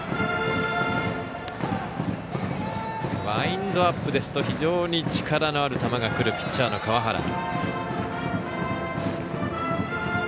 ワインドアップですと非常に力のある球がくるピッチャーの川原。